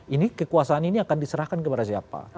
ini kekuasaan ini akan diserahkan kepada siapa